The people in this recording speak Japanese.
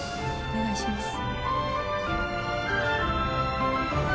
お願いします